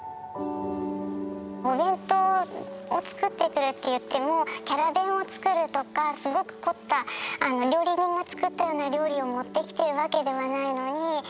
お弁当を作ってくるっていってもキャラ弁を作るとかすごく凝った料理人が作ったような料理を持ってきてるわけではないのに。